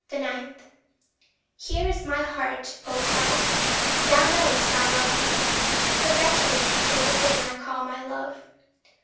9. Here is my heart, O Christ; thou know'st I love thee. But wretched is the thing I call my love.